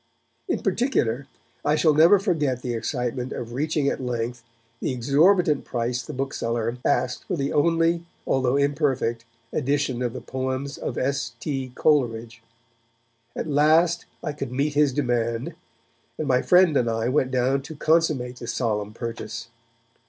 In particular I shall never forget the excitement of reaching at length the exorbitant price the bookseller asked for the only, although imperfect, edition of the poems of S. T. Coleridge. At last I could meet his demand, and my friend and I went down to consummate the solemn purchase.